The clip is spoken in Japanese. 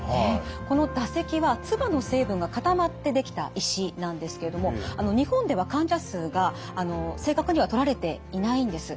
この唾石は唾の成分が固まってできた石なんですけども日本では患者数が正確には取られていないんです。